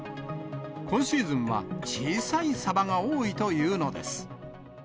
今シーズンは、小さいサバが多いというのです。